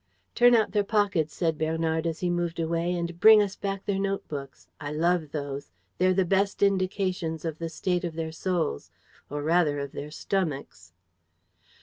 "Turn out their pockets," said Bernard, as he moved away, "and bring us back their note books. I love those. They're the best indications of the state of their souls ... or rather of their stomachs."